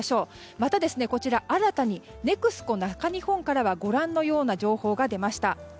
また、新たにＮＥＸＣＯ中日本からはご覧のような情報が出ました。